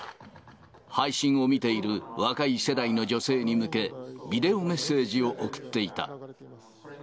配信を見ている若い世代の女性に向け、ビデオメッセージを送っていた。